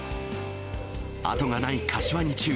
後がない柏二中。